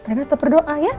rena terperdoa ya